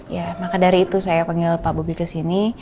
ya maka dari itu saya panggil pak bobi ke sini